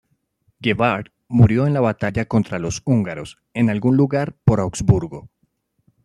Gebhard, murió en la batalla contra los húngaros, en algún lugar por Augsburgo.